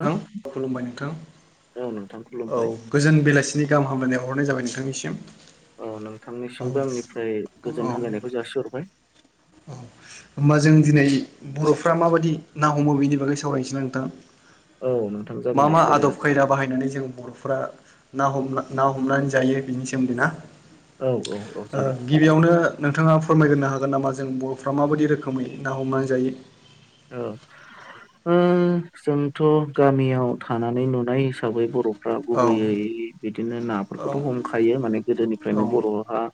औ थां खुलुमबाय नोंथां नोंथां औ खुलुमबाय गोजोन बेलासिनि गाम गाहाम हामलाय बावहरनाय जाबाय नोंथांनिसिम औ औ नोंथांनिसिमबो आंनिफ्राय गोजोन औ हामलायनायखौ जासिहरबाय [inaudible] होमबा जों दिनै बरफ्रा माबायदि ना हमो बेनि बागै सावरायनोसै ना नोंथां औ नोंथां मा जागोन दे मा आदब सावरायजागोन खायदा बाहायनानै जों बर'फ्रा ना हमना ना हमनानै जायो बिनि सोमोन्दै ना औ औ औ ओ जागोन गिबियावनो नोंथाङा फोरमायग्रोनो हागोन नामा जों बर'फ्रा माबायदि रोखोमै ना हमनानै जायो ओ ओम जोंथ' गामियाव थानानै नुनाय हिसाबै बर' फ्रा औ गुबैयै बिदिनो औ नाफोरखौथ' हमखायो माने औ गोदोनिफ्रायनो बर'हा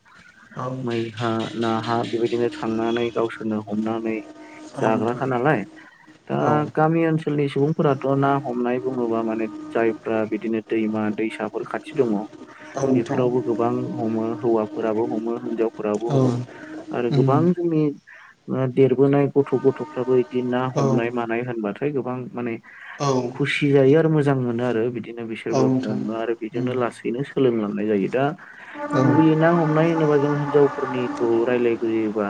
औ मैहा नाहा बेबायदिनो थांनानै गावसोरनो हमनानै [unintelligible] [unintelligible] दा औ गामि ओनसोलनि सुबुंफोराथ' ना हमनाय बुंङोब्ला माने जायफ्रा बिदिनो दैमा दैसाफोर खाथि दङ औ नोंथां बेफोरावबो गोबां हमो हौवाफोराबो हमो हिनजाव फोराबो औ हमो आरो उम गोबां जोंनि देरबोनाय गथ' गथ'फ्राबो बिदि ना हमनाय औ मानाय होनबाथाय गोबां माने औ खुसि जायो आरो मोजां मोनो आरो बिदिनो औ बिसोरबो नोंथां हमो आरो उम बेजोंनो लासैनो सोलोंलांनाय जायो। दा औ गुबैयै ना हमनाय होनोबा जों हिनजावफोरनिखौ रायलायग्रोयोबा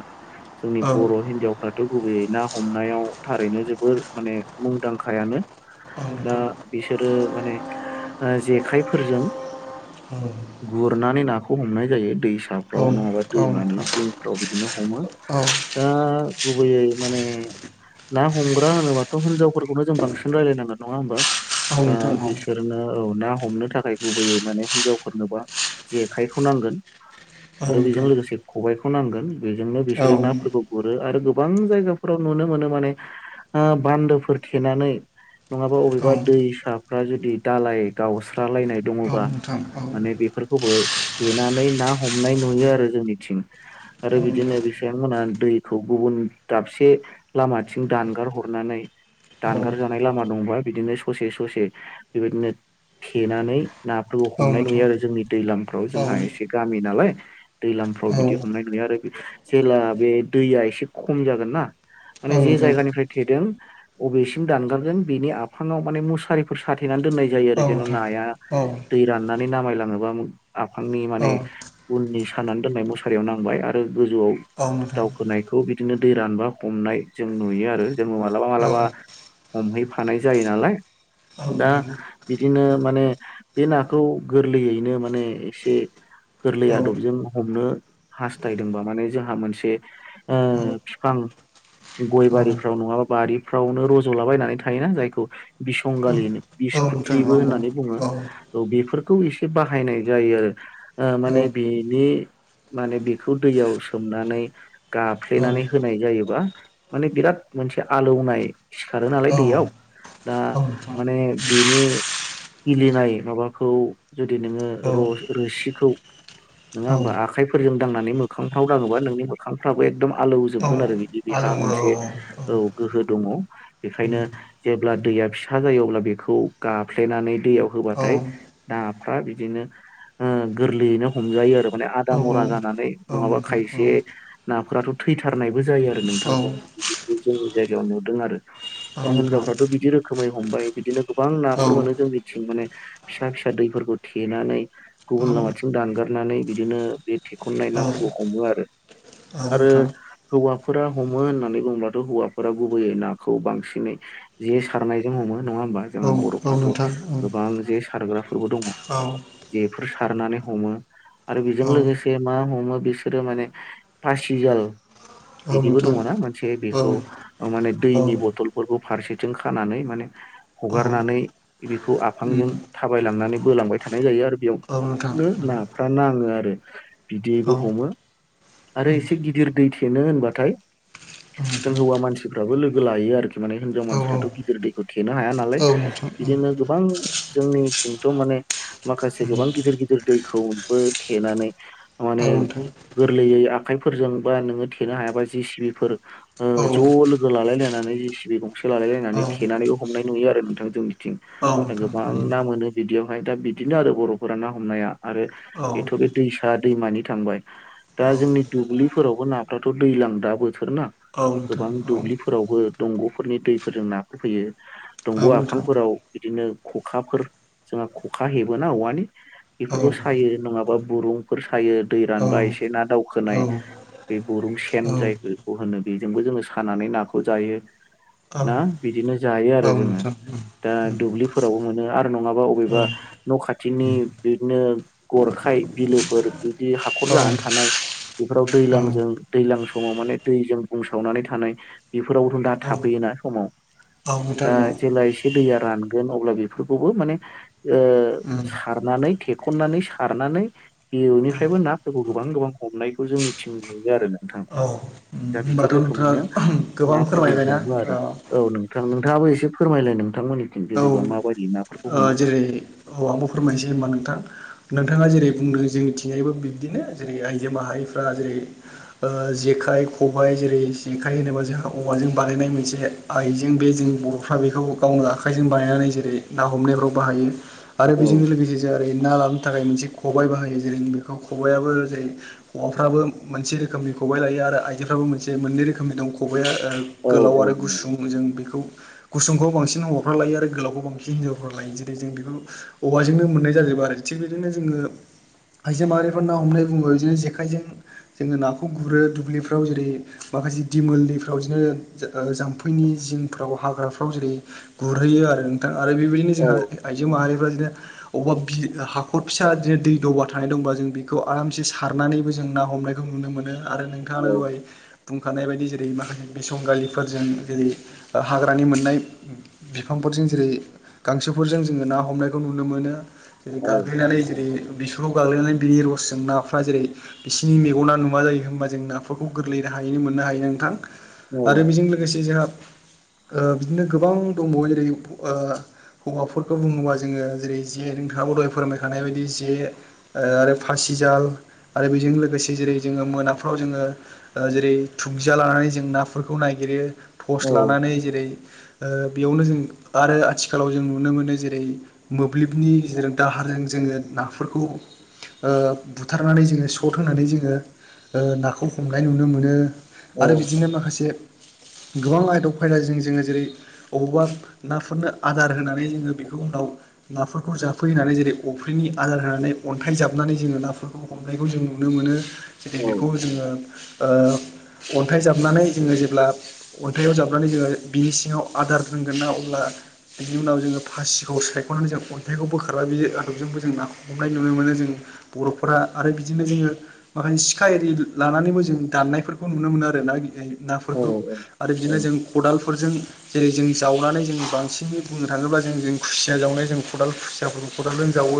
जोंनि औ बर' हिनजावफ्राथ' गुबैयै ना हमनायाव थारैनो जोबोर माने मुंदांखायानो दा नोंथां बिसोरो माने ओ जेखाइफोरजों औ गुरनानै नाखौ हमनाय जायो दैस औ साफ्राव नङाबा औ दैमानि नोंथां जिंफ्राव बिदिनो हमो औ । दा गुबैयै माने ना हमग्रा होनोबाथ' हिनजावफोरखौनो जों बांसिन रायलायनांगोन नङा होमबा औ दा नोंथां औ बिसोरनो औ ना हमनो थाखाय गुबैयै माने हिनजावफोरनोबा जेखाइखौ नांगोन औ आरो बेजों नोंथां लोगोसे खबाइखौ नांगोन बेजोंनो औ बिसोरो नाफोरखौ गुरो आरो गोबां जायगाफोराव नुनो मोनो माने ओ बान्दोफोर थेनानै नङाबा औ अबेबा दैसाफ्रा जुदि दालाय गावस्रालायनाय दङोबा नोंथां औ माने बेफोरखौबो थेनानै ना हमनाय नुयो आरो जोंनिथिं औ नोंथां औ आरो नोंथां बिदिनो बेसोमोनहा दैखौ गुबुन दाबसे लामाथिं दानगार हरनानै औ दानगार जानाय लामा दंबा बिदिनो ससे ससे बेबायदिनो थेनानै नाफोरखौ औ नोंथां औ नोंथां औ नोंथां औ हमनाय नोंथां नुयो आरो औ जोंनि दैलाम फ्राव औ जोंहा एसे गामि नालाय दैलामफ्राव औ नोंथां औ औ बिदि हमनाय ना आरो जेला बे दैया एसे खम जागोन ना माने जे नोंथां जायगानिफ्राय थेदों अबेसिम दानगारगोन बिनि आफाङाव माने मुसारिफोर साथेनानै दोननाय जायो आरो जेन' नाया दै राननानै नामायलाङोबा आफांनि माने उननि सानानै दोननाय मुसारियाव नांबाय आरो गोजौआव दावखोनायखौ बिदिनो दै रानबा हमनाय जों नुयो आरो जोङो मालाबा मालाबा हमहैफानाय जायो नालाय दा बिदिनो माने बे नाखौ गोरलैयैनो माने एसे गोरलै आदबजों हमनो हास्थायदोंबा माने जोंहा मोनसे ओ फिफां गय बारिफ्राव नङाबा बारिफ्रावनो रज'लाबायनानै थायोना जायखौ बिसंगालि होनो बिसखुथिबो होननानै बुङो । औ बेफोरखौ एसे बाहायनाय जायो आरो ओ माने बिनि माने बेखौ दैयाव सोमनानै गाफ्लेनानै होनाय जायो बा माने बिराद मोनसे आलौनाय सिखारो नालाय दैयाव दा माने बिनि गिलिनाय माबाखौ जुदि नोङो रस रोसिखौ नोङा औ होमबा औ आखाइफोरजों दांनानै मोखांफ्राव दाङोबा नोंनि मोखांफ्राबो एकदम औ आलौजोबगोन आरो बिदि बेहा आलौवो औ मोनसे औ गोहो दङ बेखायनो जेब्ला दैया फिसा जायो अब्ला बेखौ खौ गाफ्लेनानै दैयाव होबाथाय नाफ्रा बिदिनो गोरलैयैनो हमजायो आरो माने औ आदा मरा जानानै औ नंङाबा नोंथां औ खायसे नाफोराथ' थैथारनायबो जायो आरो नों औ थां बि जोंनि जायगायाव नुदों आरो दा नोंथां हिनजावफ्राथ' बिदि रोखोमै हमबाय बिदिनो गोबां गोबां औ नाफोर मोनो जों बिथिं माने फिसा फिसा दैफोरखौ थेनानै औ नोंथां औ गुबुन लामाथिं दानगारनानै बिदिनो बे थेखनाय नाफोरखौ हमो आरो आरो नोंथां हौवाफोरा हमो होननानै बुंङोंब्लाथ' हौवाफोरा गुबैयै नाखौ बांसिनै जे सारनायजों हमो नंङा होमबा औ औ जोंहा बर'फ्राथ' नोंथां गोबां जे सारग्राफोरबो दंङो जे बेफोर सारनानै हमो। आरो बेजों लोगोसे मा हमो बिसोरो माने फासिजाल बिदिबो दङना मोनसे बेखौ ओ माने औ औ दैनि बथलफोरखौ फारसेथिं खानानै माने औ हगारनानै बेखौ उम आफांजों थाबाय लांनानै बोलांबाय था थानाय जायो आरो औ बेयावनो नोंथां नाफ्रा नाङो आरो बिदिबो हमो। औ आरो उम एसे गिदिर दै थेनो होनबाथाय औ जों नोंथां हौवा मानसिफ्राबो लोगो लायो आरोखि माने हिनजाव औ मानसिफ्राथ' गिदिर दैखौ थेनो हाया नालाय औ नोंथां औ उम बिदिनो गोबां जोंनिथिंथ' माने माखासे गोबां गिदिर गिदिर दैखौबो थेनानै औ माने नोंथां गोरलैयो नों आखाइफोरजों बा नोङो थेनो हायाबा जि सि बिफोर ओ औ ज' लोगो लालाय लायनानै जि सि बि गंसे लालायलायनानै औ थेनानैबो हमनाय नुयो आरो नोंथां जोंनिथिं औ दा नोंथां गोबां उम ना मोनो बिदियावहाय दा बिदिनो आरो बर'फोरा ना हमनाया आरो। औ बेथ' औ बे दैसा दैमानि थांबाय दा जोंनि औ दुब्लिफोरावबो नाफ्राथ' दैलां दा बोथोरना गोबां नोंथां औ दुब्लिफोरावबो दंग'फोरनि दैफोरजों नाखौ फैयो दंग' औ नोंथां आफफांफोराव बिदि बिदिनो खखाफोर जोंहा खखा हेबोना औवानि बेफोरखौ सायो नङाबा बुरुंफोर सायो दै रानबाय औ औ एसे ना औ दावखोनाय बे गुरुं सेन जाय बेखौ होनो बेजोंबो जोङो सानानै नाखौ जायो औ ना बिदिनो जायो आरो औ जोङो नोंथां दा औ दुब्लिफोरावबो मोनो आरो नङाबा औ औ अबेबा न' खाथिनि बिदिनो गरखाय बिल फोर बिदि हाखर जानानै औ थानाय बेफोराव औ दैलांजों दैलां समाव माने दैजों बुंसावनानै थानाय बेफोरावथ' दा थाफैयोना समाव। नोंथां दा औ जेला दैया रानगोन अब्ला बिफोरखौबो माने ओ सारनानैे थेखननानै सार नानै औ बेनिफ्रायबो नाफोरखौ गोबां गोबां हमनायखौ जोंनिथिं नुयो आरो नोंथां। औ दा बिदि होनबाथ' नोंथाङा रोखोमैनो गोबां नाफोरखौ फोरमायबायना हमो आरो औ नोंथां नोंथाङाबो एसे फोरमायलाय नों औ ओ जेरै औ आंबो फोरमायनोसै होनबा नोंथां। नोंथाङा जेरै बुंदों जोंनिथिंजायबो बिबदिनो जेरै आइजो माहारिफ्रा जेरै जे जेखाइ खबाय जेरै जेखाइ होनोबा जोंहा औवाजों बानायनाय मोनसे आइजें बे जोंनि बर'फ्रा बेखौ गावनो आखाइजों बानायनानै जेरै ना हमनायफ्राव बाहायो आरो औ बेजों लोगोसे ना थानो थाखाय मोनसे खबाय बाहायो जेरै बेखौ खबाइआबो जेरै हौवाफ्राबो मोनसे रोखोमनि खबाइ लायो आरो आइजोफ्राबो मोननै रोखोमनि दं । खबाया औ गोलाव आरो गुसुं जों बेखौ गुसुंखौ बांसिन ह लायो आरो गोलावखौ बांसिन हिनजावफ्राव लायो जेरै जों बेखौ औवाजोंनो मोननाय जाजोबा आरो थिग बिदिनो जोङो। आइजो माहारिफोर ना हमनाय बुङोबो बिदिनो जेखाइजों जोङो नाखौ गुरो दुब्लिफ्राव जेरै माखासे दिमोललिफ्राव बिदिनो जाम्फैनि जिंफ्राव हाग्राफ्राव जेरै गुरहैयो आरो नोंथां आरो बेबायदिनो औ जोंहा आइजो माहारि बिदि अबेबा हाखर फिसा बिदिनो दै दबा थानाय दंबा जों बेखौ आरामसे सारनानैबो जों जों ना हमनायखौ नुनो मोनो आरो नोंथाङानो दहाय बुंखानाय बायदि जेरै माखासे बिसंगालिफोरजों जेरै हाग्रानि मोननाय बिफांफोरजों जेरै गांसोफोरजों जोङो ना हमनायखौ नुनो मोनो। जेरै औ गाग्लिनानै जेरै बिसोरखौ गाग्लिनानै बिनि रसजों नाफ्रा जेरै बिसोरनि मेगनफोरा नुवा जायो होमबा जों नाफोरखौ गोरलैयै हायो मोननो हायो नोंथां औ आरो बेजों लोगोसे जोंहा बिदिनो गोबां दंबावो जेरै ओ हौवाफोरखौ बुङोबा जोङो जेरै जे नोंथांआबो दहाय फोरमाय खानाय बायदि जे आरो फासि जाल आरो बेजों लोगोसे जेरै जोङो मोनाफ्राव जोङो जेरै थुुबजा लानानै जों नाफोरखौ नायगिरो औ टर्स लानानै जेरै ओ बेयावनो जों आरो आथिखालाव जों नुनो मोनो जेरै मोब्लिबनि गेजेरजों दाहारजों जोङो नाफोरखौ ओ बुथारनानै जोङो सट होनानै जोङो नाखौ हमनाय नुनो मोनो। आरो औ बिदिनो माखासे गोबां आयदायाव फायदाजों जोङो जेरै बबावबा नाफोरनो आदार होनानै जोङो बेखौ उनाव नाफोरखौ जाफैानै जेरै अफ्रिनि आदार होनानै अन्थाइ जाबनानै जोङो नाफोरखौ हमनायखौ जों नुनो मोनो। जाहाथे औ बेखौ जोङो ओ अन्थाइ जाबनानै जोङो जेब्ला अन्थाइाव जाबनानै जोङो बिनि सिङाव आदार दोंगोन ना अब्ला बिनि उनाव जोङो फासिखौ सायख'नानै जों अन्थाइखौ बोखारबा बे आदबजों खौ हमनाय नुनो मोन ज बर'फोरा आरो बिदिनो जोङो मसे सिखा ए लानानै जों दान्नायफोरखौ नुनो मोनो आरो ना औ नाफोरखौ आरो बिदिनो जों खदालफोरजों जेरै जों जावनानै जों बांसिनै बुंनो थाङोब्ला जों जों खुसिया जावनाय जों खदाल खुसियाफोरखौ खदाल जों जाव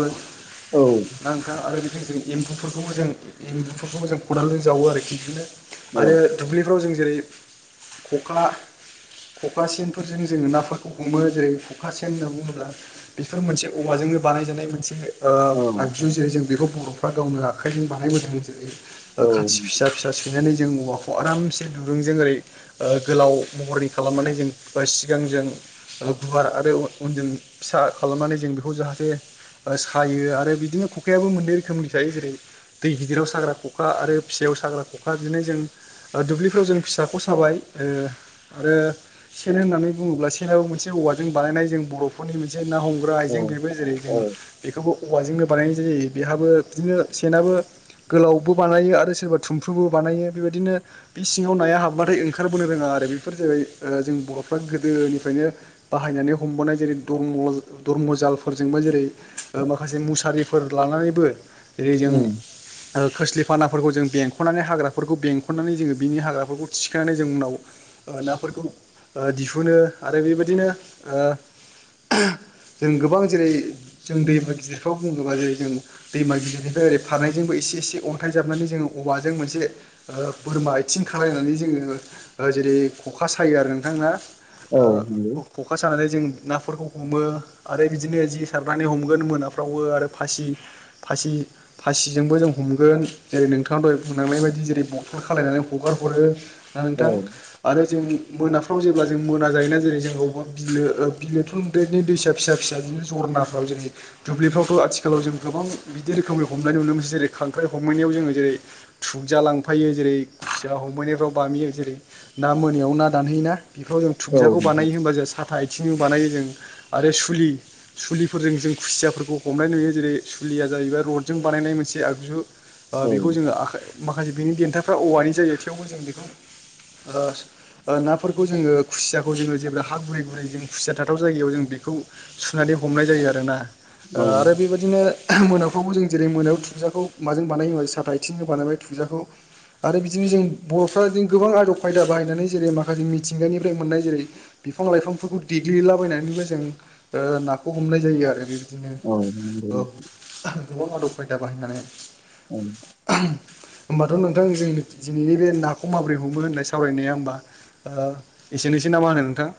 औ [unintelligible] आरो जोंनिथिं एमबुफोरखौबो जों एमबुफोरखौबो जों खदाल जों जावो आरोखि बिदिनो औ आरो दुब्लि आव जों जेरै खख्ला खखा सेनफोरजों जोङो नाफोरखौ हमो जेरै खखा सेन होनना बुङोब्ला बेफोर मोनसे औवाजोंनो बानाय ओ बानायजानाय मोनसे औ आगजु जेरै जों बेखौ बर'फ्रा गावनो आखाइजों बानायबोदों जेरै ओ खाथि फिसा फिसा सैनानै जों औवाखौ आरामसे दुुं ज ओरै गोलाव महरनि खालामनानै जों सिगां जों गुवार आरो उनजों फिसा खालामनानै जों बेखौ जाहाथे थे सायो आरो बिदिनो खखायाबो मोननै रोखोमनि थायो जेरै दै गिदिराव साग्रा ख'खा आरो फिसायाव [unintelligible] साग्रा ख'खा बिनाय जों दुब्लिफ्राव जों फिसाखौ साबाय आरो सेन होननानै बुङोब्ला सेनाव मोनसे औवाजों बानायनाय जों बर'फोरनि मोनसे ना हमग्रा आइजें औ बेबो जेरै जों औ बेखौबो औवाजोंनो बानायनाय ज जायो बेहाबो बिदिनो सेनाबो गोलावबो बानायो आरो सोरबा थुमफ्रुबो बानायो बेबायदिनो बे सिङाव नाया हाबबाथाय ंखारोनो रोङा आरो बे जै जों बर'फ्रा गोदोनिफ्रायनो बाहायनानै हमनाय जेरै [unintelligible] जालफोरजोंबो जेरै माखासे मुसारिफोर लानानैबो जेरै जों खोस्लिफानाफोरखौ जों बेंख'नानै हाग्राफोरखौ बेंख'नानै जोङो बिनि हाग्राफोरखौ थिखांनानै जों उनाव नाफोरखौ ओ दिहुनो आरो बेबायदिनो ओ जों गोबां जेरै जों दैमा गिदिरफ्राव बुङोबा जेरै जों दैमा गिदिरनिफ्राय ओरै फारनायजोंबो एसे एसे अन्थाइजाबनानै जोङो औवाजों मोनसे बोरमा आथिं खालामलनानै जोङो जेरै खखा सायो आरो नोंथां ना नंगौ खखा सानानै जों ना फोरफोरखौ हमो आरो बिदिनो जि सारनानै हमगोन मोनाफ्रावबो आरो फासि फासि फासिजोंबो जों हमगोन जेरै नोंथाङ दह बुंनांनाय बायदि जेरै बथल खालायनानै हगार हरो दा नोंथां औ ओमफ्राय जों मोनाफ्राव जेब्ला जों मोना जायोोना जेरै जों अबावबा बिलो बिलोथुरदेरनि दैसा फिसा फिसा बिदिनो जरनाफ्राव जेरै दुब्लिफ्रावथ' आथिालाव जों गोबां बिदि रोखोमनि हमनाय नुनो मोन जेरै खांख्राइ हम हमैनायाव जोङो जेरै थुबजा लांफायो जेरै खुसिया हमैनायफ्राव बामियो जेरै ना मोनायाव ना दानहयोना बेफोराव जों औ थुुबियाखौ नोंथां बानायो होनबा जों साथा आथिंजों बानायो जों आरो सुलिफोरजों जों खुसियाफोरखौ हमनाय नुयो जेरै सुलिया जाहैबाय रडजों बा बानायनाय मोनसे आगजु ओ औ बेखौ जोङो आखाइ माखासे बिनि देन्थाफ्रा औवानि जायो थेवबो जों बेखौ ओ नाफोरखौ जोङो खुसियाखौ जोङो जेब्ला हा गुरै गुरै जों खुसिया थाथाव जायगायाव जों बेखौ सुनानै हमनाय जायो आरोना ओ आरो औ बेबायदिनो मोनाफ्रावबो जों जेरै मोनायाव थुगजाखौ माजों बानाय होबाय साथा आथिंजों बानायबाय थुगजाखौ आरो बिदिनो जों बर'फ्रा बि गोबां आदब खायदा बाहायनानै जेरै माखासे मिथिंगानिफ्राय मोननाय जेरै बिफां लाइफांफोरखौ देग्लिलाबायनानैबो जों ओ नाखौ हमनाय जायो आरो बिदिनो औ नंगौ ओ गोबां आदब खायदा बाहायनानै। औ। होमबाथ' नोंथां जों दिनैनि बे नाखौ माबोरै हमो होननाय सान सावरायनाया होमबा एसेनोसै ना मा होनो नोंथां।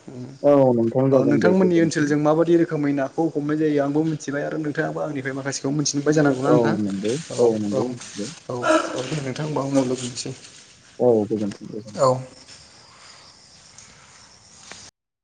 औ नोंथां औ जागोन दे नोंथांमोननि गोजोनथों ओनसोलजों माबायदि रोखोमै नाखौ हमनाय जायो आं मिथिबाय आरो नोंथाङाबो आंनिफ्राय माखासेखौ मिथि बाय जानांगौना औ नोंथां। नंगौ औ औ नंगौ मिथिबाय औ औ दे नोंथां होनबा उनाव [unintelligible] सै। औ गोजानथोंसै। औ।